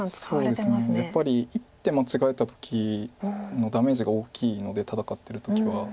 やっぱり一手間違えた時のダメージが大きいので戦ってる時は。